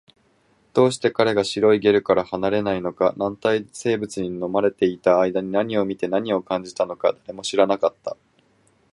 どうして彼が白いゲルから離れないのか、軟体生物に飲まれていた間に何を見て、何を感じたのか、誰も知らなかった